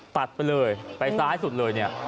ตัดไปเลยไปซ้ายสุดเลยเนี่ย